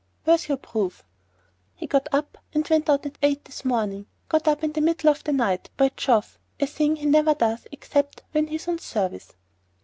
"Where's your proof?" "He got up and went out at eight this morning,—got up in the middle of the night, by Jove! a thing he never does except when he's on service.